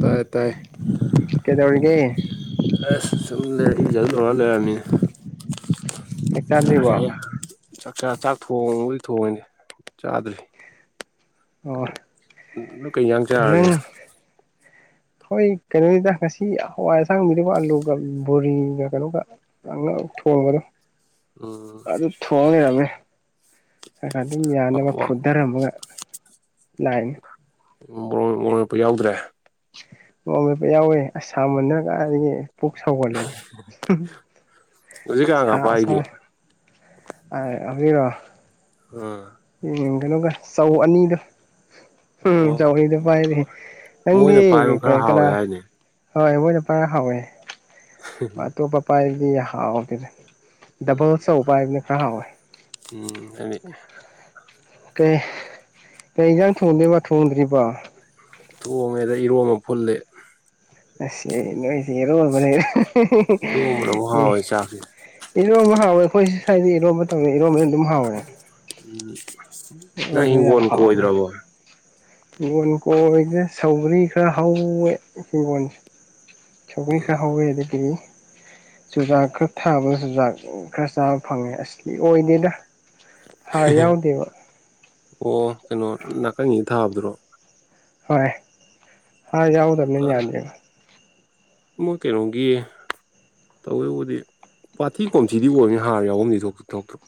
ꯇꯥꯏ ꯇꯥꯏ ꯀꯦꯗꯧꯒ ꯑꯦꯁꯨꯝꯗꯦ ꯏꯖꯠꯉꯅꯦ ꯑ ꯆꯥꯛ ꯆꯥꯗ꯭ꯔꯤꯕꯣ ꯆꯥꯛꯆꯥ ꯆꯥꯛ ꯊꯣꯡꯕꯗꯤ ꯊꯣꯡꯉꯦꯅꯦ ꯆꯥꯗ꯭ꯔꯤ ꯑꯣ ꯑꯗꯨ ꯀꯩ ꯌꯥꯡ ꯆꯥꯑꯒꯦ ꯅꯪ ꯍꯣꯏ ꯀꯩꯅꯣꯅꯤꯗ ꯉꯁꯤ ꯍꯋꯥꯏ ꯑꯁꯥꯡꯕꯤ ꯑꯥꯂꯨꯒ ꯕꯣꯔꯤꯒ ꯀꯩꯅꯣꯒ ꯊꯣꯡꯣ ꯑ ꯎꯝ ꯊꯣꯡꯉꯦꯔꯃꯦ ꯈ ꯑꯗꯨꯝ ꯌꯥꯅꯕ ꯐꯨꯊꯔꯝꯃꯒ ꯂꯥꯛꯅꯤ ꯃꯣꯔꯛꯄ ꯌꯥꯎꯗ꯭ꯔꯦ ꯅꯣꯡ ꯂꯦꯠꯄ ꯌꯥꯎꯋꯦ ꯑꯁꯥꯕꯅꯔꯒꯗꯒꯤ ꯄꯨꯛ ꯁꯧꯒꯜꯂꯦꯗ ꯍꯧꯖꯤꯛ ꯀꯥꯟꯒ ꯁꯥ ꯁꯥ ꯄꯥꯏꯒꯦ ꯑꯗꯨꯔꯣ ꯎꯝ ꯌꯦꯡꯒꯅꯨꯒ ꯆꯧ ꯑꯅꯤꯗꯣ ꯎꯝ ꯑꯣ ꯆꯧꯔꯤꯗ ꯄꯥꯏꯔꯤ ꯅꯪꯗꯤ ꯃꯣꯏꯅ ꯄꯥꯏꯕ ꯈꯔ ꯀꯅꯥ ꯍꯥꯎꯋꯦ ꯍꯥꯏꯅꯦ ꯍꯣꯏ ꯃꯣꯏꯅ ꯄꯨꯔ ꯍꯥꯎꯋꯦ ꯑꯇꯣꯞꯄ ꯄꯥꯏꯗꯤ ꯍꯥꯎꯗꯗ ꯎꯝ ꯎꯝ ꯑꯗꯨꯗꯤ ꯀꯩ ꯀꯩꯖꯥꯡ ꯊꯣꯡꯗꯦꯕ ꯊꯣꯡꯗ꯭ꯔꯤꯕ ꯊꯣꯡꯉꯦꯗ ꯏꯔꯣꯝꯃ ꯐꯨꯜꯂꯦ ꯑꯁ ꯅꯣꯏꯁꯤꯔꯣꯜꯕꯅꯦ ꯏꯔꯣꯝꯕꯅ ꯑꯃꯨꯛ ꯑꯦ ꯍꯥꯎꯋꯦ ꯆꯥꯛꯁꯦ ꯏꯔꯣꯝꯕ ꯍꯥꯎꯋꯦ ꯑꯩꯈꯣꯏꯁꯨ ꯁ꯭ꯋꯥꯏ ꯏꯔꯣꯝꯕ ꯃꯇꯝꯗ ꯏꯔꯣꯝꯕꯅ ꯑꯗꯨꯝ ꯍꯥꯎꯋꯦ ꯎꯝ ꯅ ꯏꯔꯣꯝꯕ ꯍꯤꯡꯒꯣꯜ ꯀ ꯑꯣꯏꯗ꯭ꯔꯕꯣ ꯍꯤꯡꯒꯣꯣꯟ ꯀꯣꯏꯗꯅ ꯁꯥꯎꯕ꯭ꯔꯤ ꯈꯔ ꯍꯋꯦ ꯍꯤꯡꯒꯣꯣꯟꯁꯦ ꯁꯧꯔꯤ ꯎꯝ ꯈꯔ ꯍꯧꯋꯦ ꯑꯗꯨꯗꯤ ꯆꯨꯖꯥꯛ ꯈꯔ ꯊꯥꯕꯗ ꯆꯨꯖꯥꯛ ꯈꯔ ꯆꯥꯕ ꯐꯪꯉꯦ ꯑꯁꯂꯤ ꯑꯣꯏꯗꯦꯗ ꯍ ꯌꯥꯎꯗꯕ ꯑꯣ ꯀꯩꯅꯣ ꯅꯥꯀꯟꯒꯤ ꯊꯥꯕꯗꯨ꯭ꯔꯣ ꯍꯣꯏ ꯌꯥꯎꯗꯕꯅꯤ ꯌꯥꯅꯤꯕ ꯃꯣꯏ ꯀꯩꯅꯣꯒꯤ ꯇꯧꯋꯦꯕꯨꯗꯤ ꯄꯥꯊꯤ ꯀꯣꯝꯊꯤꯗꯤ ꯑꯣꯏꯔꯅꯤ ꯍꯥꯔ ꯌꯥꯎꯐꯝꯗꯤ ꯊꯣꯛꯇ ꯊꯣꯛꯇ꯭ꯔꯣ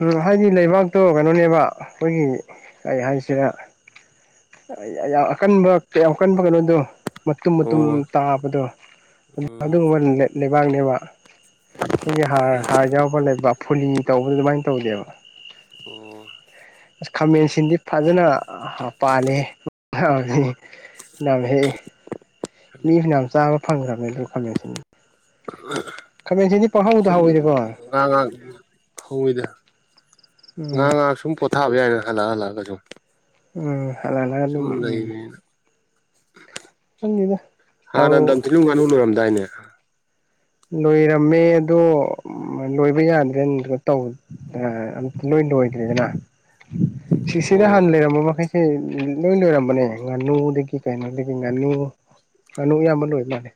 ꯎꯝ ꯍꯥꯏꯗꯤ ꯂꯩꯕꯥꯛꯇꯣ ꯀꯩꯅꯣꯅꯦꯕ ꯑꯩꯈꯣꯏꯒꯤ ꯀꯩ ꯍꯥꯏꯁꯤꯦ ꯌꯥꯝ ꯑꯀꯟꯕ ꯀ ꯌꯥꯝꯀꯟꯕ ꯀꯩꯅꯣꯗꯣ ꯃꯇꯨꯝ ꯃꯇꯨꯝ ꯑꯣ ꯇꯥꯕꯗꯣ ꯎꯝ ꯑꯗꯨꯒꯨꯝꯕ ꯂꯩꯕꯥꯛꯅꯦꯕ ꯑꯩꯈꯣꯏꯒꯤ ꯍꯥꯔ ꯎꯝ ꯍꯥꯔ ꯌꯥꯎꯕ ꯂꯩꯕ ꯐꯨꯂꯤ ꯇꯧꯕꯗ ꯑꯗꯨꯃꯥꯏꯅ ꯇꯧꯗꯦꯕ ꯑꯣ ꯑꯁ ꯈꯥꯃꯦꯟꯁꯤꯗꯤ ꯐꯖꯅ ꯄꯥꯜꯂꯤ ꯑ ꯍꯦꯛ ꯃꯤꯁꯨꯅ ꯌꯥꯝ ꯆꯥꯕ ꯐꯪꯈ꯭ꯔꯕꯅꯦ ꯑꯗꯨ ꯐꯁꯤꯅꯤ ꯑ ꯈꯥꯃꯦꯟꯁꯤꯗꯤ ꯄꯪꯍꯧꯗ ꯍꯧꯋꯔꯦꯀꯣ ꯉꯥ ꯉꯥꯏꯍꯥꯛ ꯐꯉꯤꯗ ꯎꯝ ꯉꯍꯥꯛ ꯉꯥꯏꯍꯥꯛ ꯁꯨꯝ ꯊꯥꯕ ꯌꯥꯔꯅ ꯍꯂ ꯍꯂ ꯀꯖꯣ ꯎ ꯍꯥꯛꯂꯑ ꯎꯝ ꯂꯩꯕꯅꯤꯅ ꯈꯪꯗꯦꯗ ꯍꯥꯟꯅ ꯇꯧ ꯗꯊꯤꯅꯨ ꯉꯥꯅꯨ ꯂꯣꯏꯔꯝꯗꯥꯏꯅꯦ ꯂꯣꯏꯔꯝꯃꯦ ꯑꯗꯣ ꯂꯣꯏꯕ ꯌꯥꯗ꯭ꯔꯦꯅ ꯇꯧꯕ ꯑꯝ ꯂꯣꯏ ꯂꯣꯏꯗ꯭ꯔꯦꯗꯅ ꯑꯣ ꯁꯤꯁꯤꯗ ꯍꯥꯟꯅ ꯂꯩꯔꯝꯕ ꯃꯈꯩ ꯁꯤ ꯂꯣꯏ ꯂꯣꯏꯔꯝꯕꯅꯦ ꯉꯥꯅꯨꯗꯒꯤ ꯀꯩꯅꯣꯗꯒꯤ ꯉꯥꯅꯨ ꯉꯥꯅꯨ ꯑꯌꯥꯝꯕ ꯂꯣꯏ ꯃꯥꯜꯂꯦ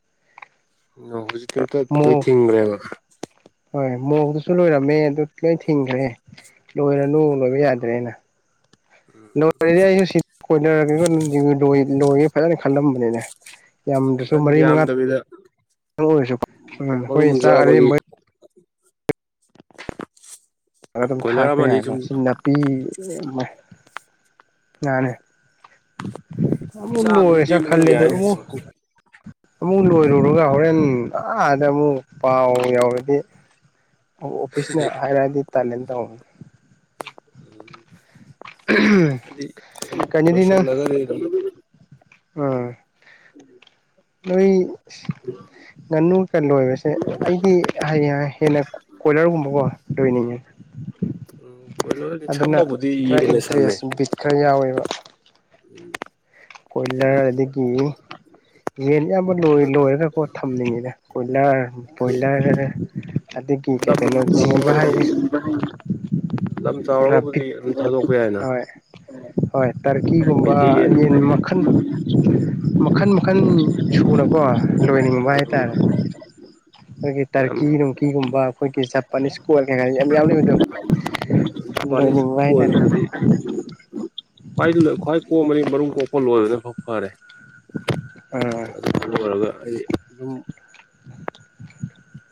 ꯑꯣ ꯍꯧꯖꯤꯛꯇꯤ ꯑꯝꯇ ꯂꯣꯏ ꯃꯣꯔꯣꯛ ꯊꯤꯡꯈ꯭ꯔꯦꯕ ꯍꯣꯏ ꯃꯣꯔꯗꯨꯁꯨ ꯂꯣꯏꯔꯝꯃꯦ ꯑꯗꯨ ꯂꯣꯏ ꯊꯤꯡꯈ꯭ꯔꯦ ꯂꯣꯏꯔꯅꯨ ꯂꯣꯏꯕ ꯌꯥꯗ꯭ꯔꯦꯅ ꯂꯣꯏꯔꯗꯤ ꯑꯩꯁꯨ ꯁꯤ ꯀꯣꯏꯅꯔ ꯂꯣꯏꯒꯦ ꯐꯖꯅ ꯈꯜꯂꯝꯕꯅꯤꯅꯦ ꯌꯥꯝꯗꯁꯨ ꯃꯔꯤ ꯃꯉꯥ ꯀꯕꯤꯗ ꯑꯣꯏꯔꯁꯨ ꯑꯩꯈꯣꯏ ꯆꯥꯛ ꯆꯥꯕꯒꯤ ꯑꯔꯦꯝꯕ ꯑꯗꯨꯝ ꯀꯣꯏꯂꯔ ꯊꯥꯛꯄ ꯑꯃꯅꯤ ꯌꯥꯏꯕ ꯁꯨꯝ ꯁꯤ ꯅꯥꯄꯤ ꯑꯃ ꯉꯥꯅꯦ ꯑꯃ ꯆꯥ ꯑꯗꯨꯝ ꯂꯁꯥ ꯂꯦꯝꯕꯗꯨꯝ ꯈꯜꯂꯦꯗ ꯌꯥꯏꯅ ꯁꯨꯝ ꯑꯃꯨꯛ ꯂꯣꯏꯔꯨꯔꯒ ꯍꯣꯔꯦꯟ ꯑꯥꯗ ꯑꯃꯨꯛ ꯄꯥꯎ ꯌꯥꯎꯔꯗꯤ ꯑꯣꯐꯤꯁꯅ ꯍꯥꯏꯔꯛꯑꯗꯤ ꯇꯥꯂꯦꯟ ꯇꯧꯅꯤ ꯎꯗꯤ ꯀꯩꯅꯣꯗꯤ ꯂꯣꯁꯤꯜ ꯅꯪ ꯂꯒ ꯂꯩ ꯎꯝ ꯎꯝ ꯅꯣꯏ ꯉꯥꯅꯨꯒ ꯂꯣꯏꯕꯁꯦ ꯑꯩꯗꯤ ꯍꯌꯦꯡ ꯍꯦꯟꯅ ꯀꯣꯏꯂꯥꯔꯒꯨꯝꯕ ꯗꯣꯣꯏꯅꯤ ꯎꯝ ꯀꯣꯏꯂꯔ ꯑꯗꯨꯅ ꯁꯝꯕꯕꯨꯗꯤ ꯈꯔ ꯌꯦꯟꯅ ꯁꯝꯃꯦ ꯏꯟꯇꯔꯦꯁ ꯕꯤꯠ ꯈꯔ ꯌꯥꯎꯋꯦꯕ ꯀꯣꯏꯂꯔ ꯍꯥꯏꯗꯤ ꯑꯗꯒꯤ ꯌꯦꯟ ꯑꯌꯥꯝꯕ ꯂꯣꯏ ꯂꯣꯏꯔꯒꯀꯣ ꯊꯝꯅꯤꯡꯉꯤꯗ ꯀꯣꯏꯂꯔ ꯄꯕꯣꯏꯂꯔ ꯑꯗꯨꯗꯒꯤ ꯀꯦ ꯂꯝ ꯀꯩꯅꯣ ꯁꯤꯖꯤꯕ ꯍꯥꯏ ꯆꯥꯎꯔꯒꯕꯨꯗꯤ ꯂꯝ ꯆꯥꯎꯔꯒꯕꯨꯗꯤ ꯑꯗꯨꯝ ꯊꯥꯗꯣꯛꯄ ꯌꯥꯏꯅ ꯍꯣꯏ ꯍꯣꯏ ꯇꯥꯔꯀꯤꯒꯨꯝꯕ ꯌꯦꯟ ꯃꯈꯜ ꯃꯈꯟ ꯃꯈꯟ ꯁꯨꯅꯀꯣ ꯂꯣꯏꯅꯤꯡꯕ ꯍꯥꯏꯇꯥꯔꯦ ꯑꯩꯈꯣꯏꯒꯤ ꯌꯥꯝ ꯇꯔꯀꯤ ꯅꯨꯡꯀꯤꯒꯨꯝꯕ ꯑꯩꯈꯣꯏꯒꯤ ꯖꯄꯅꯤꯁ ꯀꯜ ꯀꯩꯀꯥ ꯌꯥꯝ ꯌꯥꯎꯕꯗꯣ ꯄꯅꯤ ꯀꯣꯜꯗꯤ ꯈ꯭ꯋꯥꯏ ꯈ꯭ꯋꯥꯏ ꯀꯣꯛꯑ ꯃꯅꯤ ꯃꯔꯨꯝ ꯀꯣꯛꯄ ꯂꯣꯏꯔꯅꯐꯥꯎ ꯐꯔꯦ ꯑꯣ ꯑꯗꯨꯒ ꯑꯗꯨꯨꯝ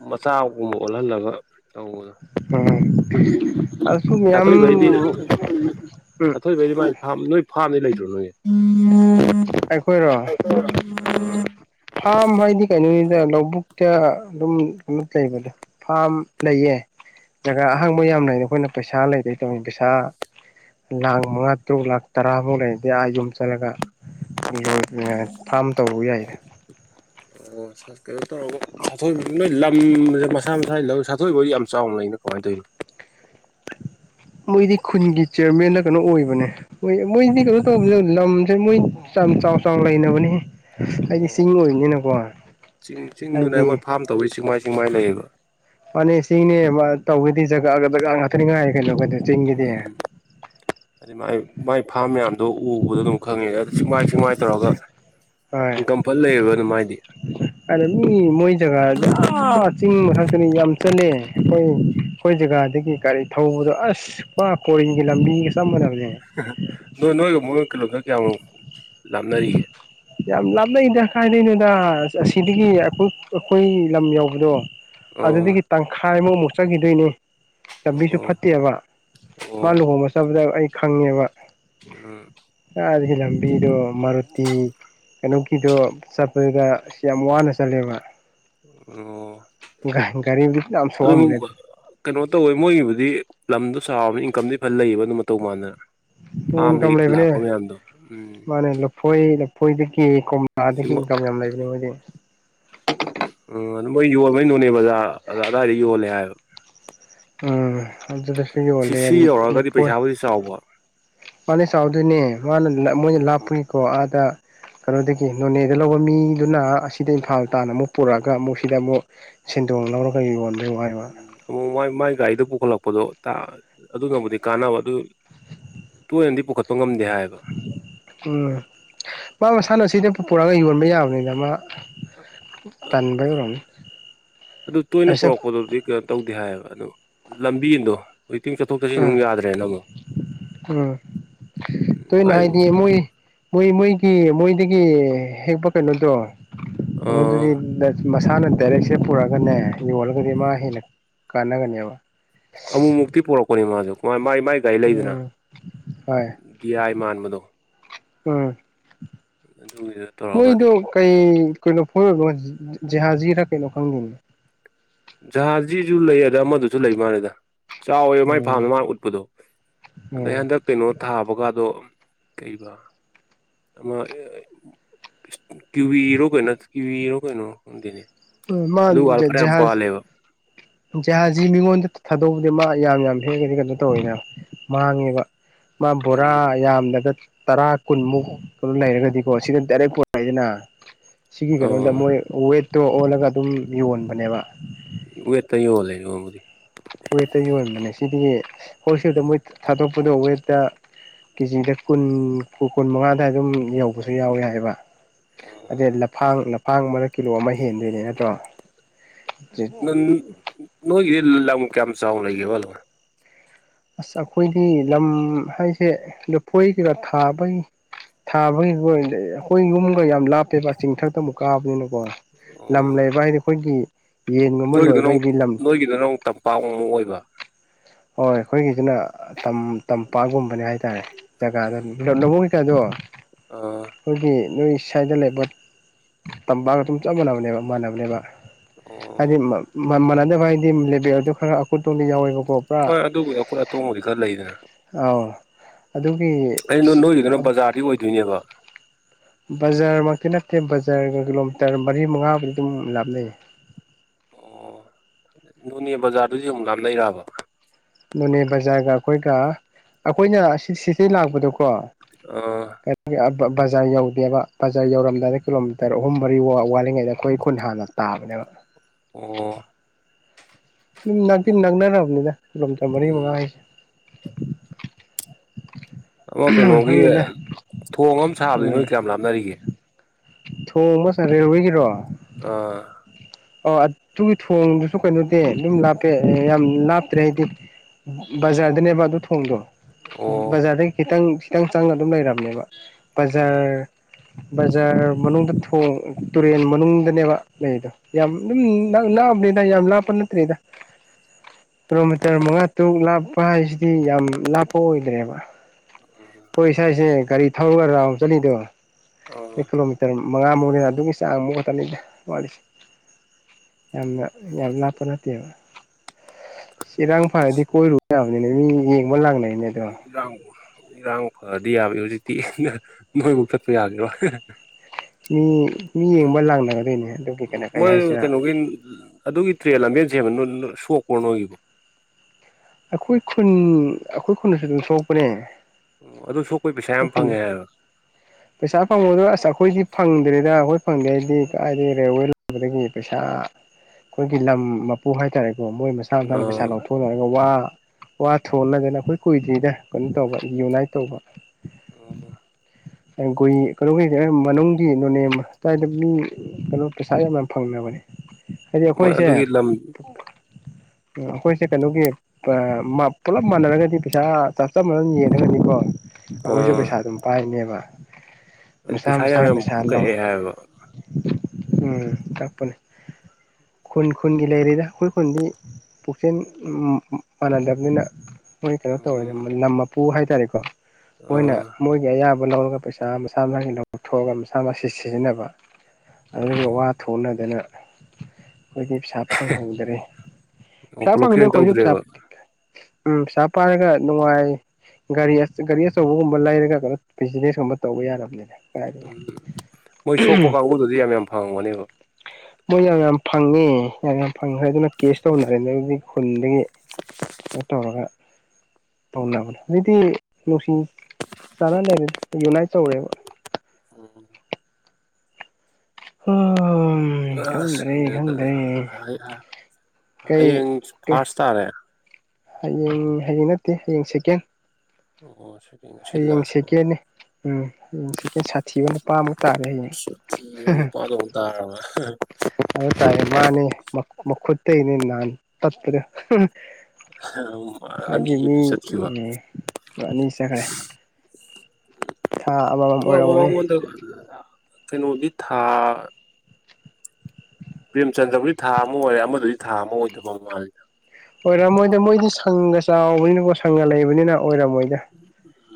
ꯃꯆꯥꯒꯨꯝꯕ ꯑꯣꯜꯍꯜꯂꯕ ꯇꯧꯕꯗꯣ ꯎꯝ ꯑꯁꯨ ꯌꯥꯝ ꯎꯝ ꯆꯠꯊꯣꯏꯕꯩꯗꯤ ꯃꯥꯏ ꯐꯥꯝ ꯅꯣꯏ ꯐꯥꯔꯝꯗꯤ ꯂꯩꯇ꯭ꯔꯣ ꯅꯣꯏꯅꯦ ꯑꯩꯈꯣꯏꯔꯣ ꯐꯥꯔꯝ ꯍꯥꯏꯗꯤ ꯀꯩꯅꯣꯅꯤꯗ ꯂꯧꯕꯨꯛꯇ ꯑꯗꯨꯝ ꯀꯩꯅꯣ ꯂꯩꯕꯗꯣ ꯐꯥꯝ ꯂꯩꯌꯦ ꯖꯒꯥ ꯑꯍꯪꯕ ꯌꯥꯝ ꯂꯩꯅ ꯑꯩꯈꯣꯏꯅ ꯄꯩꯁꯥ ꯂꯩꯇꯣꯏ ꯇꯧꯅꯤ ꯄꯩꯁꯥ ꯂꯥꯛꯈ ꯃꯉꯥ ꯇꯔꯨꯛ ꯂꯥꯛ ꯇꯔꯥꯃꯨꯛ ꯂꯩꯗꯤ ꯑꯥ ꯌꯨꯝꯁꯤꯜꯂꯒ ꯂꯣꯏ ꯐꯥꯝ ꯇꯧꯕ ꯌꯥꯏ ꯑꯣ ꯀꯩꯅꯣ ꯇꯧꯔꯒꯊ ꯅꯣꯏ ꯂꯝꯁꯦ ꯃꯊꯥ ꯃꯊꯥꯏ ꯂꯧ ꯁ ꯁꯥꯊꯣꯏꯕꯕꯨ ꯌꯥꯝ ꯆꯥꯎꯅ ꯀꯃꯥꯏꯅ ꯇꯧꯅꯣ ꯃꯣꯏꯗꯤ ꯈꯨꯟꯒꯤ ꯆꯤꯌꯔꯃꯦꯦꯟꯟꯅ ꯀꯩꯅꯣ ꯑꯣꯏꯕꯅꯦ ꯍꯣꯏ ꯃꯣꯏꯗꯤ ꯀꯩꯅꯣ ꯇꯧꯕꯅꯤꯅ ꯂꯝꯁꯦ ꯃꯣꯏ ꯌꯥꯝ ꯆꯥꯎ ꯆꯥꯎꯅ ꯂꯩꯅꯕꯅꯤ ꯑꯩꯗꯤ ꯆꯤꯡ ꯑꯣ ꯑꯣꯏꯅꯤꯅꯀꯣ ꯆꯤꯡ ꯍꯥꯏꯗꯤ ꯆꯤꯡꯗꯨꯅ ꯃꯣꯏ ꯐꯥꯝ ꯇꯧꯋꯤ ꯆꯤꯡꯃꯥꯏ ꯆꯤꯡꯃꯥꯏ ꯂꯩꯌꯦꯕ ꯃꯥꯅꯤ ꯁꯤꯅꯦ ꯇꯧꯕꯗꯤ ꯖꯒꯥꯒ ꯖ ꯉꯥꯛꯇꯅꯤꯉꯥꯏ ꯀꯩꯅꯣ ꯀꯩꯅꯣ ꯆꯤꯡꯒꯤꯗꯤ ꯎꯝ ꯍꯥꯏꯗꯤ ꯃꯥꯏ ꯃꯥꯏ ꯐꯥꯝ ꯃꯌꯥꯝꯗꯣ ꯎꯕꯗꯣ ꯑꯗꯨꯝ ꯈꯪꯉꯦ ꯑꯗꯨ ꯆꯤꯡꯃꯥꯏ ꯆꯤꯡꯃꯥꯏ ꯇꯧꯔꯒ ꯏ ꯀꯝꯄꯜꯂꯦ ꯏꯒ ꯅ ꯃꯥꯥꯏ ꯑ ꯃꯤ ꯃꯣꯏ ꯆꯒꯥ ꯌꯥ ꯆꯤꯡ ꯃ ꯈꯥꯛꯛꯇꯅꯤ ꯌꯥꯝ ꯆꯠꯂꯦ ꯑꯩꯈꯣꯏ ꯑꯩꯈꯣꯏ ꯖꯒꯥꯗꯒꯤ ꯀꯒꯥꯔꯤ ꯊꯧꯕꯗꯣ ꯑꯁ ꯀ ꯀꯣꯔꯤꯡꯒꯤ ꯂꯝꯕꯤꯒ ꯆꯝ ꯃꯅꯕꯅꯦ ꯅꯣꯏ ꯅꯣꯏꯒ ꯑꯃꯨꯛ ꯅ ꯀꯤꯂꯣꯃꯤꯇꯔ ꯀꯌꯥꯃꯨꯛ ꯂꯥꯞꯅꯔꯤꯒꯦ ꯌꯥꯝ ꯂꯥꯞꯂꯛꯗ ꯀꯥꯏꯗꯩꯅꯣꯗ ꯑꯁꯤꯗꯒꯤ ꯑꯩꯈꯣꯏ ꯂꯝ ꯌꯧꯕꯗꯣ ꯑꯣ ꯑꯗꯨꯗꯒꯤ ꯇꯪꯈꯥꯏꯃꯨꯛꯃꯨꯛ ꯆꯠꯈꯤꯗꯣꯏꯅꯦ ꯂꯝꯕꯤꯁꯨ ꯑꯣ ꯐꯠꯇꯦꯕ ꯃꯥ ꯑꯣ ꯂꯨꯍꯣꯡꯕ ꯆꯠꯕꯗ ꯑꯩ ꯈꯪꯉꯦꯕ ꯎ ꯑ ꯍ ꯂꯝꯕꯤꯤꯔꯣ ꯃꯔꯨꯇꯤ ꯀꯩꯅꯣꯒꯤꯗꯣ ꯆꯠꯄꯗꯨꯗ ꯁꯤ ꯌꯥꯝ ꯋꯥꯅ ꯆꯠꯂꯦꯕ ꯑꯣ ꯔꯤ ꯁꯋꯥ ꯑꯗꯨꯝ ꯑꯃ ꯃꯅꯗ ꯀꯩꯅꯣ ꯇꯧꯋꯦ ꯃꯣꯏꯒꯤꯕꯨꯗꯤ ꯂꯝꯗꯣ ꯁꯥꯕꯅꯤ ꯏꯟꯀꯝꯗꯤ ꯐꯅ ꯂꯩꯕ ꯑꯗꯨꯝ ꯃꯇꯧ ꯃꯥꯟꯅ ꯑꯗꯨ ꯏꯟꯀꯝ ꯐꯥꯔꯝꯗꯒꯤ ꯂꯥꯛꯄ ꯃꯌꯥꯝꯗꯣ ꯎꯝ ꯂꯣꯏ ꯂꯐꯣꯏꯗꯒꯤ ꯀꯣꯝꯗꯒꯤ ꯆꯤꯡꯃ ꯏꯟꯀꯝ ꯌꯥꯝ ꯂꯩꯕꯅꯦ ꯃꯣꯏꯗꯤ ꯎꯝ ꯑꯗꯨ ꯃꯣꯏ ꯌꯣꯟꯕꯩ ꯅꯣꯅꯦ ꯕꯖꯥ ꯑ ꯑꯗꯥꯋꯥꯏꯗ ꯌꯣꯜꯂꯦ ꯍꯥꯏꯕ ꯎꯝ ꯑꯗꯨꯗꯁꯨ ꯁꯤ ꯌꯣꯜꯂꯦ ꯁꯤ ꯌꯧꯔꯛꯑꯒꯗꯤ ꯂꯨꯄꯣꯏ ꯄꯩꯁꯥꯕꯨꯗꯤ ꯆꯥꯎꯕ ꯃꯥꯅꯦ ꯆꯥꯎꯥꯎꯗꯨꯣꯏꯅꯦ ꯃꯥꯅ ꯃꯣꯏ ꯂꯞꯅꯤꯀꯣ ꯑꯗ ꯀꯩꯅꯣꯗꯒꯤ ꯅꯣꯅꯦꯗ ꯂꯧꯕ ꯃꯤꯗꯨꯅ ꯑꯁꯤꯗ ꯏꯝꯐꯥꯜ ꯇꯥꯟꯅ ꯑꯃꯨꯛ ꯄꯨꯔꯛꯑꯒ ꯑꯃꯨꯛ ꯁꯤꯗ ꯑꯃꯨꯛ ꯁꯦꯟꯗꯣꯛ ꯑꯣꯟꯂꯥꯎꯔꯒꯩ ꯑꯣꯟꯗ ꯋꯥ ꯍꯥꯏꯕ ꯑꯃꯨꯛ ꯃ ꯃꯥꯏ ꯒꯥꯔꯤꯗ ꯄꯨꯈꯠꯂꯛꯄꯗꯣ ꯑꯗꯨꯅꯕꯨꯗꯤ ꯀꯥꯟꯅꯕ ꯑꯗꯨ ꯇꯣꯏꯅꯗꯤ ꯄꯨꯈꯠꯄ ꯉꯝꯗꯦ ꯍꯥꯏꯌꯦꯕ ꯎꯝ ꯃꯥ ꯃꯁꯥꯟꯅꯁꯤꯅ ꯄꯨ ꯄꯨꯣꯔꯛꯑꯒ ꯌꯣꯟꯕ ꯌꯥꯕꯅꯤꯗ ꯃꯥ ꯇꯥꯟꯕ ꯑꯣꯏꯔꯣꯅꯤ ꯑꯗꯨ ꯇꯣꯏꯅ ꯑꯁ ꯄꯨꯔꯛꯄꯗꯨꯗꯤ ꯀꯩꯅꯣ ꯇꯧꯗꯦ ꯍꯥꯏꯌꯦꯕ ꯑꯗꯣ ꯂꯝꯕꯤꯗꯣ ꯍꯧꯖꯤꯛꯇꯤꯡ ꯆꯠꯊꯣꯛ ꯆꯠꯁꯤꯟ ꯑꯃꯨꯛ ꯌꯥꯗ꯭ꯔꯦꯅ ꯑꯃꯨꯛ ꯎ ꯃꯥꯏ ꯇꯣꯏꯅꯍꯥꯏꯗꯤ ꯃꯣꯏ ꯃꯣꯏ ꯃꯣꯏꯒꯤ ꯃꯣꯏꯗꯒꯤ ꯍꯦꯛꯄ ꯀꯩꯅꯣꯗꯣ ꯑ ꯑꯗꯨꯗꯤ ꯃꯁꯥꯅ ꯗꯥꯏꯔꯦꯛꯁꯦ ꯄꯨꯔꯛꯒꯅꯦ ꯌꯣꯜꯂꯒꯗꯤ ꯃꯥ ꯍꯦꯜꯂꯛ ꯀꯅꯥꯒꯅꯤ ꯑꯕ ꯑꯃꯨꯛꯃꯨꯛꯇꯤ ꯄꯣꯔꯛꯄꯅꯤ ꯃꯥꯁꯨ ꯃꯥꯏ ꯃꯥꯏ ꯒꯥꯔꯤ ꯂꯩꯗꯅ ꯎꯝ ꯍꯣꯏ ꯇꯤꯌꯥꯥꯏ ꯃꯥꯟꯕꯗꯣ ꯎꯝ ꯑꯗꯨꯒꯤꯗ ꯃꯣꯏꯗꯣ ꯀꯩ ꯀꯩꯅꯣ ꯐꯣꯏꯅꯣ ꯖꯦꯍꯥꯖꯤꯔ ꯀꯩꯅꯣ ꯈꯪꯗꯣꯏꯅꯦ ꯖꯍꯥꯖꯤꯁꯨ ꯂꯩ ꯑꯗ ꯑꯃꯗꯨꯁꯨ ꯂꯩ ꯃꯥꯜꯂꯦꯗ ꯆꯥꯎꯋꯦꯕ ꯃꯥꯏ ꯎꯝ ꯐꯥꯔꯝꯗ ꯃꯥꯅ ꯎꯠꯄꯗꯣ ꯑꯗꯩ ꯎꯝ ꯍꯟꯗꯛ ꯀꯩꯅꯣ ꯊꯥꯕꯒꯗꯣ ꯀꯩꯕ ꯀ꯭ꯨꯕꯕꯤ ꯔꯣꯀꯣꯏꯅ ꯀ꯭ꯌꯕꯤ ꯔꯣꯀꯣꯏꯅꯣꯗꯤꯦꯅꯦ ꯃꯥ ꯖꯍꯥꯖ ꯖꯍꯥꯖꯤ ꯃꯤꯉꯣꯟꯗ ꯊꯥꯗꯧꯕꯗꯤ ꯃꯥ ꯌꯥꯝ ꯌꯥꯝ ꯍꯦꯛꯒꯗꯤ ꯀꯩꯅꯣ ꯇꯧꯋꯦꯅꯦ ꯃꯥꯡꯉꯦꯕ ꯃꯥ ꯕꯣꯔꯥ ꯎꯝ ꯌꯥꯝꯂꯒ ꯇꯔꯥ ꯀꯨꯟꯃꯨꯛ ꯂꯩꯔꯒꯗꯤꯀꯣ ꯁꯤꯅ ꯗꯥꯏꯔꯦꯛ ꯀ ꯍꯥꯏꯗꯅ ꯁꯤꯒꯤ ꯑ ꯀꯩꯅꯣꯗ ꯃꯣꯏ ꯋꯦꯠꯇꯣ ꯑꯣꯜꯂꯒ ꯑꯗꯨꯝ ꯌꯣꯟꯕꯅꯦꯕ ꯋꯦꯠꯇ ꯌꯣꯜꯂꯦ ꯌꯣꯡꯕꯨꯗꯤ ꯋꯦꯠꯇ ꯌꯣꯟꯕꯅꯦ ꯁꯤꯗꯤ ꯍꯣꯜꯁꯦꯜꯗ ꯃꯣꯏ ꯊꯥꯗꯣꯛꯄꯗꯣ ꯋꯦꯠꯇ ꯀꯦꯖꯤꯗ ꯀꯨꯟ ꯀꯨꯟ ꯃꯉꯥ ꯑꯗꯨꯋꯥꯏ ꯑꯗꯨꯝ ꯌꯧꯕꯁꯨ ꯌꯥꯎꯋꯦ ꯍꯥꯏꯕ ꯑꯗꯩ ꯂꯐꯥꯡ ꯂꯐꯥꯡ ꯑꯃꯗꯛ ꯀꯤꯂꯣ ꯑꯃ ꯍꯦꯟꯗꯣꯏꯅꯦ ꯅꯠꯇ꯭ꯔꯣ ꯅ ꯅꯣꯏꯒꯤꯗꯤ ꯂꯝ ꯀꯌꯥꯝ ꯆꯥꯎꯅ ꯂꯩꯒꯦꯕꯂꯣ ꯑꯁ ꯑꯩꯈꯣꯏꯗꯤ ꯂꯝ ꯍꯥꯏꯁꯦ ꯂꯨꯐꯣꯏ ꯀꯀ ꯊꯥꯕꯒꯤ ꯊꯥꯕꯒꯤ ꯑꯣꯏꯅ ꯍꯣꯏꯒꯨꯝꯒ ꯌꯥꯝ ꯂꯥꯞꯇꯦꯕ ꯆꯤꯡꯊꯛꯇ ꯑꯃꯨꯛ ꯀꯥꯕꯅꯤꯅꯀꯣ ꯂꯝ ꯑꯣ ꯂꯩꯕ ꯍꯥꯏꯗꯤ ꯑꯩꯈꯣꯏꯒꯤ ꯌꯦꯟꯒꯨꯝꯕ ꯂꯣꯏꯕ ꯍꯥꯏꯗꯤ ꯂꯝ ꯇꯤꯅꯣꯡ ꯇꯝꯄꯥꯛ ꯑꯃ ꯑꯣꯏꯕ ꯍꯣꯏ ꯑꯩꯈꯣꯏꯒꯤꯁꯤꯅ ꯇꯝꯄꯥꯛꯒꯨꯝꯕꯅꯦ ꯍꯥꯏꯇꯥꯔꯦ ꯆꯥꯗꯃꯉ ꯀꯗꯣ ꯑ ꯑꯩꯈꯣꯏꯒꯤ ꯅꯣꯏ ꯁ꯭ꯋꯥꯏꯗ ꯂꯩꯕ ꯇꯝꯄꯥꯛꯒ ꯑꯗꯨꯝ ꯆꯞ ꯃꯥꯟꯅꯕꯅꯦꯕ ꯃꯥꯟꯅꯕꯅꯦꯕ ꯑꯣ ꯍꯥꯏꯗꯤ ꯃꯥꯟꯅꯗꯕ ꯍꯥꯏꯗꯤ ꯂꯦꯕꯦꯛ ꯑꯗꯨ ꯈꯔ ꯑꯀꯨꯠꯇꯣꯡꯗ ꯌꯥꯎꯋꯦꯕꯀꯣ ꯄꯨꯔꯥ ꯍꯣꯏ ꯑꯗꯨꯕꯨꯗꯤ ꯑꯩꯈꯣꯏ ꯑꯇꯣꯡꯕꯗꯤ ꯈꯔ ꯂꯩꯗꯅ ꯑꯥꯎ ꯑꯗꯨꯒꯤ ꯑꯩꯩꯅꯣ ꯅꯣꯏꯒꯤꯗꯨꯅ ꯕꯖꯥꯔꯗꯤ ꯑꯣꯏꯗꯣꯏꯅꯦꯕ ꯕꯖꯥꯔꯃꯛꯇꯤ ꯅꯠꯇꯦ ꯕꯖꯔꯒ ꯀꯤꯂꯣꯃꯤꯇꯔ ꯃꯔꯤ ꯃꯉꯥꯕꯨꯗꯤ ꯑꯗꯨꯝ ꯂꯥꯞꯅꯩꯌꯦ ꯑꯣ ꯅꯣꯅꯦ ꯕꯖꯥꯔꯗꯨꯗꯤ ꯑꯃꯨꯛ ꯂ ꯂꯩꯔꯑꯕ ꯅꯣꯅꯦ ꯕꯖꯥꯔꯒ ꯑꯩꯈꯣꯏꯒ ꯑꯩꯈꯣꯏꯅ ꯁꯤꯇꯩ ꯂꯥꯛꯄꯗꯣꯀꯣ ꯑ ꯀ ꯕꯖꯥꯔ ꯌꯧꯗꯦꯕ ꯕꯖꯥꯔ ꯌꯧꯔꯝꯗꯥꯏꯗ ꯀꯤꯂꯣꯃꯤꯇꯔ ꯑꯍꯨꯝ ꯃꯔꯤ ꯋꯥꯠꯂꯤꯉꯩꯗ ꯑꯩꯈꯣꯏ ꯈꯨꯟ ꯍꯥꯟꯅ ꯇꯥꯕꯅꯦꯕ ꯑꯣ ꯝ ꯄꯤ ꯅꯛꯅꯔꯕꯅꯤꯗ ꯂꯂꯣ ꯆꯝꯃꯔꯤ ꯃꯉꯥ ꯎꯝ ꯍꯥꯏꯁꯦ ꯑꯃ ꯀꯩꯅꯣꯒꯤ ꯈꯪꯗꯦꯗ ꯊꯣꯡ ꯑꯃ ꯁꯥꯕꯅꯤ ꯎꯝ ꯅꯣꯏ ꯀꯌꯥꯝ ꯂꯥꯞꯅꯔꯤꯒꯦ ꯊꯣꯡꯕ ꯔꯦꯜꯋꯦꯒꯤꯔꯣ ꯑ ꯑꯣ ꯑꯗꯨꯒꯤ ꯊꯣꯡꯗꯨꯁꯨ ꯀꯩꯅꯣꯗꯤ ꯑꯗꯨꯝ ꯂꯥꯞꯄꯦ ꯌꯥꯝ ꯂꯥꯞꯇ꯭ꯔꯦ ꯍꯥꯏꯗꯤ ꯕꯖꯥꯔꯗꯅꯦꯕ ꯑꯗꯨꯣ ꯊꯣꯡꯗꯣ ꯑꯣ ꯕꯖꯥꯔꯗꯒꯤ ꯈꯤꯇꯪ ꯈꯤꯇꯪ ꯆꯪꯉ ꯑꯗꯨꯝ ꯂꯩꯔꯝꯅꯦꯕ ꯎꯝ ꯕꯖꯥꯔ ꯕꯖꯥꯔ ꯃꯅꯨꯡꯗ ꯊꯣꯡ ꯇꯨꯔꯦꯟ ꯃꯅꯨꯡꯗꯅꯦꯕ ꯂꯩꯗꯣ ꯌꯥꯝ ꯂꯗ ꯌꯥꯝ ꯂꯥ ꯄꯅꯇꯗ ꯀꯤꯂꯣꯃꯤꯇꯔ ꯃꯉꯥ ꯇꯔꯨꯛ ꯂꯥꯞꯄ ꯍꯥꯏꯁꯤꯗꯤ ꯌꯥꯝ ꯂꯥꯞꯄ ꯑꯣꯏꯗ꯭ꯔꯦꯕ ꯎꯝ ꯍꯣꯏ ꯏꯁꯥ ꯏꯁꯦ ꯒꯥꯔꯤ ꯊꯧꯒꯔꯥꯎꯨ ꯆꯠꯂꯤꯗꯣ ꯅ ꯑꯥ ꯀꯤꯂꯣꯃꯤꯇꯔ ꯃꯉꯥꯃꯨꯛ ꯂꯩꯅ ꯑꯗꯨꯒꯤ ꯆꯥꯡ ꯑꯃꯨꯛ ꯋꯥꯛꯇꯅꯤꯗ ꯋꯥꯔꯤꯂꯤꯁꯦ ꯌꯥꯝꯅ ꯌꯥꯝ ꯅꯥꯄ ꯅꯄꯤ ꯆꯔ ꯐꯔꯦꯗꯤ ꯀꯣꯏꯔꯣꯏꯏ ꯍꯥꯏꯕꯅꯤꯅꯦ ꯃꯤ ꯌꯦꯡꯕ ꯂꯥꯛꯅꯅꯦꯗꯣ ꯌꯥꯥꯎ ꯏꯔꯥꯡ ꯐꯗꯤ ꯌꯥꯕꯅꯤ ꯍꯧꯖꯤꯛꯇꯤ ꯅꯣꯏꯐꯧ ꯆꯠꯄ ꯌꯥꯈꯤꯔꯣ ꯃꯤ ꯃꯤ ꯌꯦꯡꯕ ꯂꯥꯡꯅꯒꯗꯣꯏꯅꯦ ꯑꯗꯨꯒꯤ ꯎ ꯀꯩꯅꯣ ꯀꯩ ꯃꯣꯏ ꯍꯥꯏꯁꯤꯔꯥ ꯀꯩꯅꯣꯒꯤ ꯑꯗꯨꯒꯤ ꯇ꯭ꯔꯔꯤꯂ ꯃꯦꯟꯁꯦꯕꯅ ꯁꯣ ꯀꯣꯔꯅꯣꯒꯤꯕꯣ ꯑꯩꯈꯣꯏ ꯈꯨꯟ ꯑꯩꯈꯣꯏ ꯈꯨꯟꯗꯁꯨ ꯑꯗꯨꯝ ꯁꯣꯛꯄꯅꯦ ꯎ ꯑꯗꯨꯁꯨ ꯑꯩꯈꯣꯏ ꯄꯩꯁꯥ ꯌꯥꯝ ꯐꯪꯉꯦ ꯍꯥꯏ ꯄꯩꯁꯥ ꯐꯪꯕꯗꯣ ꯑꯁ ꯑꯩꯈꯣꯏꯁꯤ ꯐꯪꯗ꯭ꯔꯦꯗ ꯑꯩꯈꯣꯏ ꯐꯪꯗꯦ ꯍꯥꯏꯗꯤ ꯀ ꯍꯥꯏꯗꯤ ꯔꯦꯜꯋꯦ ꯂꯕꯗꯒꯤ ꯄꯩꯁꯥ ꯑꯩꯈꯣꯏꯒꯤ ꯂꯝ ꯃꯄꯨ ꯍꯥꯏꯇꯥꯔꯦꯀꯣ ꯃꯣꯏ ꯃꯁꯥ ꯃꯊꯥꯅ ꯑꯥ ꯄꯩꯁꯥ ꯂꯧꯊꯣꯛꯅꯔꯒ ꯋꯥ ꯋꯥ ꯊꯣꯜꯂꯒꯅ ꯑꯩꯈꯣꯏ ꯀꯨꯏꯗ꯭ꯔꯤꯗ ꯀꯩꯅꯣ ꯇꯧꯕ ꯌꯨꯅꯥꯏꯠ ꯇꯧꯕ ꯑꯣꯕ ꯒꯣꯏ ꯀꯩꯅꯣꯒꯤ ꯃꯅꯨꯡꯒꯤ ꯅꯣꯅꯦ ꯑꯗꯨꯋꯥꯏꯗ ꯃꯤ ꯀꯩꯅꯣ ꯄꯩꯁꯥ ꯌꯥꯝ ꯌꯥꯝ ꯐꯪꯅꯕꯅꯦ ꯍꯥꯏꯗꯤ ꯃꯣꯏ ꯑꯩꯈꯣꯏꯁꯦ ꯑꯗꯨꯒꯤ ꯂꯝ ꯑꯩꯈꯣꯏꯁꯦ ꯀꯩꯅꯣꯒꯤ ꯄꯨꯂꯞ ꯃꯥꯟꯅꯔꯒꯅꯤ ꯄꯩꯁꯥ ꯆꯞ ꯆꯞ ꯃꯥꯟꯅꯅ ꯌꯦꯡꯉꯒꯅꯤꯀꯣ ꯑꯩꯈꯣꯏꯁꯨ ꯑꯥ ꯄꯩꯁꯥ ꯑꯗꯨꯝ ꯄꯥꯏꯅꯦꯕ ꯍꯥꯏꯗꯤ ꯃꯁꯥ ꯌꯥꯝ ꯃꯁꯥ ꯌꯥꯝ ꯄꯩꯁꯥ ꯂꯧ ꯀꯛꯑꯦ ꯍꯥꯏꯕ ꯎꯝ ꯇꯥꯛꯄꯅꯦ ꯈꯨꯟ ꯈꯨꯟꯒꯤ ꯂꯩꯔꯤꯗ ꯈꯨꯣꯏ ꯈꯨꯟꯗꯤ ꯄꯨꯛꯆꯦꯜ ꯃꯥꯟꯅꯗꯕꯅꯤꯅ ꯃꯣꯏ ꯀꯩꯅꯣ ꯇꯧꯔꯅꯦ ꯎꯝ ꯂꯝ ꯃꯄꯨ ꯍꯥꯏꯇꯥꯔꯦꯀꯣ ꯃꯣꯏꯅ ꯑꯥ ꯃꯣꯏ ꯒꯤ ꯑꯌꯥꯕ ꯂꯧꯔꯒ ꯄꯩꯁꯥ ꯃꯁꯥ ꯃꯁꯥꯒꯤ ꯂꯧꯊꯣꯛꯑꯒ ꯃꯁꯥ ꯃꯁꯤ ꯁꯤꯖꯤꯟꯅꯕ ꯑꯗꯨꯒ ꯎꯝ ꯋꯥ ꯊꯣꯛꯅꯗꯅ ꯑꯩꯈꯣꯏꯒꯤ ꯄꯤꯥ ꯐꯪꯍꯧꯗ꯭ꯔꯦ ꯑꯣ ꯄꯤꯤꯁꯥ ꯄꯨꯂꯞꯀꯤ ꯐꯪꯍꯪꯗꯦ ꯑꯣꯏꯅ ꯑꯩꯈꯣꯏꯁꯨ ꯄ ꯇꯧꯗ꯭ꯔꯦꯕ ꯎꯝ ꯁꯥꯞꯄꯔꯒ ꯅꯨꯡꯉꯥꯏ ꯒꯥꯔꯤ ꯒꯥꯔꯤ ꯑꯆꯧꯕꯒꯨꯝꯕ ꯂꯩꯔꯒ ꯀꯩꯅꯣ ꯕꯤꯖꯤꯅꯦꯁ ꯀꯨꯝꯕ ꯇꯧꯕ ꯌꯥꯔꯕꯅꯤꯅ ꯎꯝ ꯀꯥꯏꯗꯒꯤ ꯃꯣꯏ ꯁꯣꯛꯄ ꯀꯥꯡꯕꯨꯗꯨꯗꯤ ꯌꯥꯝ ꯌꯥꯝ ꯐꯪꯒꯅꯦꯕ ꯃꯣꯏ ꯌꯥꯝ ꯌꯥꯝ ꯐꯪꯉꯦ ꯌꯥꯝ ꯌꯥꯝ ꯐꯪꯉꯦ ꯍꯥꯏ ꯑꯗꯨꯅ ꯀꯦꯁ ꯇꯧꯅꯔꯦꯅꯦ ꯑꯗꯨꯗꯤ ꯈꯨꯟꯗꯒꯤ ꯩꯅ ꯇꯧꯔꯒ ꯇꯧꯅꯕꯅꯦ ꯑꯗꯨꯗꯤ ꯅꯨꯡꯁꯤꯡ ꯆꯅꯥ ꯂꯩ ꯌꯅꯥꯏ ꯆꯧꯦ ꯑꯣ ꯑꯁ ꯀꯩ ꯍꯌꯦꯡ ꯀꯩ ꯐꯥꯔꯁ ꯇꯥꯔꯦ ꯍꯌꯦꯡ ꯍꯌꯦꯡ ꯅꯠꯇꯦ ꯍꯌꯦꯡ ꯁꯦꯀꯦꯟ ꯑꯣ ꯁꯒꯤꯅ ꯍꯌꯦꯡ ꯆꯦꯀꯦꯅꯤ ꯎꯝ ꯍꯌꯦꯡ ꯆꯦꯀꯦꯟ ꯁꯥꯊꯤꯕ ꯅꯨꯄꯥꯃꯨꯛ ꯇꯥꯔꯦ ꯍꯌꯦꯡ ꯇ ꯑꯗꯨ ꯇꯥꯏꯦ ꯃꯥꯅꯦ ꯃꯈꯨꯠꯇꯩꯅꯦ ꯅꯍꯥꯟ ꯇꯠꯇ꯭ꯔꯦ ꯍꯥꯏꯗꯤ ꯑꯅꯤ ꯃꯤ ꯑꯃꯗꯤ ꯎꯝ ꯆꯠꯈꯤꯕ ꯄꯨꯔ ꯑꯅꯤ ꯆꯠꯈ꯭ꯔꯦ ꯊꯥ ꯑꯃꯃꯝ ꯑ ꯑꯣꯏꯔꯝꯒꯅꯤ ꯃꯉꯣꯟꯗ ꯀꯩꯅꯣꯗꯤ ꯊꯥ ꯄ꯭ꯔꯦꯝꯆꯟꯗ꯭ꯔꯕꯨꯗꯤ ꯊꯥ ꯑꯃ ꯑꯣꯏꯔꯦ ꯑꯃꯗꯗꯤ ꯊꯥ ꯑꯃ ꯑꯣꯏꯗꯕ ꯃꯥꯜꯜꯂꯤꯦ ꯑꯣꯏꯔꯥ ꯃꯣꯏꯗ ꯃꯣꯏꯗꯤ ꯁꯪꯒ ꯆꯥꯎꯕꯅꯤꯅꯀꯣ ꯁꯪꯒ ꯂꯩꯕꯅꯤꯅ ꯑꯣꯏꯔꯝꯃꯣꯏꯗ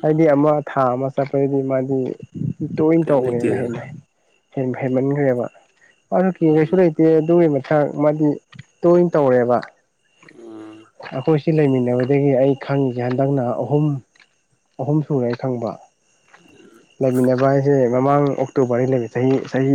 ꯍꯥꯏꯗꯤ ꯑꯃ ꯊꯥ ꯑꯃ ꯆꯠꯄꯗꯗꯤ ꯃꯥꯗꯤ ꯇꯣꯏꯅ ꯀꯔꯤꯝ ꯇꯧꯕꯅꯦꯕ ꯂꯩꯇꯦꯗꯅ ꯍꯦ ꯍꯦꯃꯟꯈ꯭ꯔꯦꯕ ꯑꯗꯨ ꯀ ꯀꯩꯁꯨ ꯎꯝ ꯂꯩꯇꯦ ꯑꯗꯨꯒꯤ ꯃꯊꯛ ꯃꯥꯗꯤ ꯇꯣꯏꯅ ꯇꯧꯔꯦꯕ ꯑꯣ ꯑꯩꯈꯣꯏꯁꯤ ꯂꯩꯃꯤꯟꯅꯕꯗꯒꯤ ꯑꯩ ꯈꯪꯉꯁꯤꯦ ꯍꯟꯗꯛꯅ ꯑꯍꯨꯝ ꯑꯍꯨꯝ ꯁꯨꯔꯦ ꯑꯩ ꯈꯪꯕ ꯎꯝ ꯂꯩꯃꯤꯟꯅꯕ ꯍꯥꯏꯁꯦ ꯃꯃꯥꯡ ꯑꯣꯛꯇꯣꯕꯔꯗ ꯆꯍꯤ ꯆꯍꯤ